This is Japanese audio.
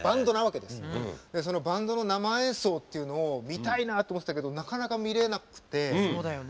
そのバンドの生演奏というのを見たいなって思ってたけどなかなか見れなくて。